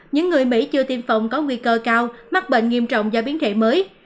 những người mỹ chưa tiêm phòng có nguy cơ cao mắc bệnh nghiêm trọng do biến thể mới